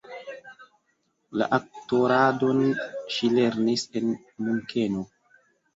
La aktoradon ŝi lernis en Munkeno.